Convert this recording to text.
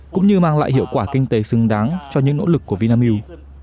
cũng như mang lại hiệu quả kinh tế xứng đáng cho những nỗ lực của vinamilk